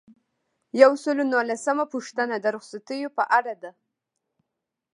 یو سل او نولسمه پوښتنه د رخصتیو په اړه ده.